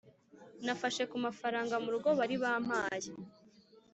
Nafashe ku mafaranga mu rugo bari bampaye,